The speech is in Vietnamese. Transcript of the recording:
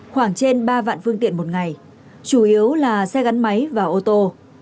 khoảng trên ba vạn phương tiện một ngày chủ yếu là xe gắn máy và ô tô